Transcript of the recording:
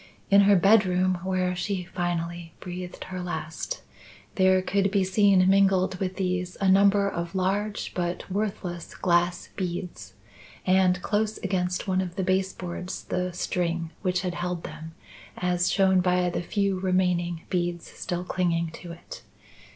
In her bedroom, where she finally breathed her last, there could be seen mingled with these a number of large but worthless glass beads; and close against one of the base boards, the string which had held them, as shown by the few remaining beads still clinging to it.